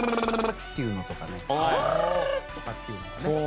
っていうのとかね。とかっていうのがね。